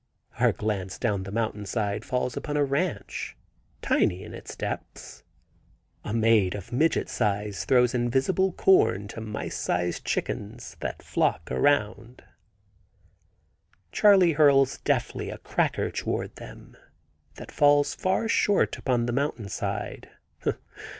Our glance down the mountain side falls upon a ranch, tiny in the depths; a maid of midget size throws invisible corn to mice size chickens that flock around; Charley hurls deftly a cracker toward them that falls far short upon the mountain side.